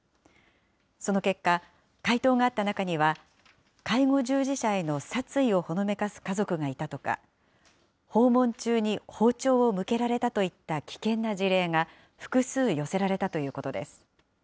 その結果、回答があった中には、介護従事者への殺意をほのめかす家族がいたとか、訪問中に包丁を向けられたといった危険な事例が複数寄せられたということです。